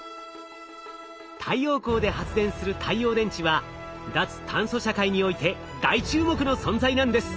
太陽光で発電する太陽電池は脱炭素社会において大注目の存在なんです。